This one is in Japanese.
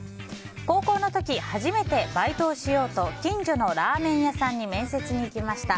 高校の時、初めてバイトをしようと近所のラーメン屋さんに面接に行きました。